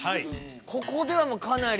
ここではかなり。